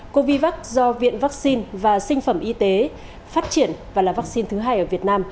covid do viện vaccine và sinh phẩm y tế phát triển và là vaccine thứ hai ở việt nam